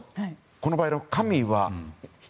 この場合の神は。